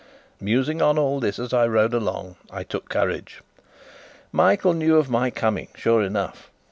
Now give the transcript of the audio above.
Musing on all this as I rode along, I took courage. Michael knew of my coming, sure enough.